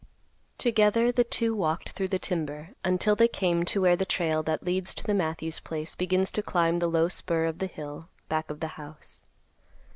Together the two walked through the timber, until they came to where the trail that leads to the Matthews place begins to climb the low spur of the hill back of the house.